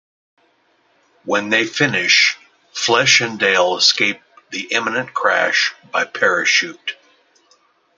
When they finish, Flesh and Dale escape the imminent crash by parachute.